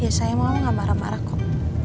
iya sayang mama gak marah marah kok